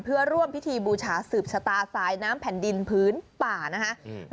เพื่อร่วมพิธีบูชาสืบชะตาสายน้ำแผ่นดินพื้นป่านะคะ